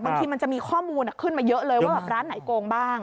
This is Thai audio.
บางทีมันจะมีข้อมูลขึ้นมาเยอะเลยว่าร้านไหนโกงบ้าง